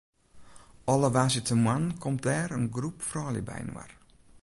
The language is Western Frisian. Alle woansdeitemoarnen komt dêr in groep froulju byinoar.